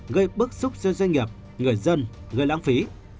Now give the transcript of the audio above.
gây bức xúc cho doanh nghiệp người dân gây lãng phí